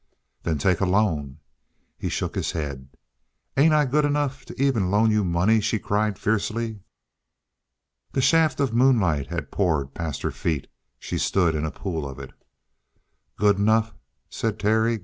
"Then take a loan." He shook his head. "Ain't I good enough to even loan you money?" she cried fiercely. The shaft of moonlight had poured past her feet; she stood in a pool of it. "Good enough?" said Terry.